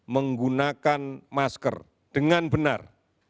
menggunakan masker dengan benar